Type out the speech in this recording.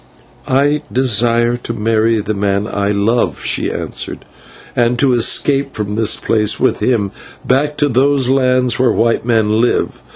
"I desire to marry the man I love," she answered, "and to escape from this place with him back to those lands where white men live.